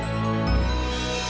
terima kasih kak